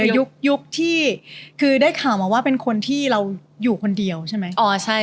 ยุคที่คือได้ข่าวมาว่าเป็นคนที่เราอยู่คนเดียวใช่ไหม